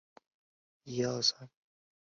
又曾任东川节度使。